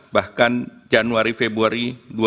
bahkan januari februari dua ribu dua puluh